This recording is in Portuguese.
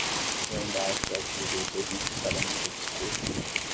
Eu ainda acho o artigo desnecessariamente obscuro.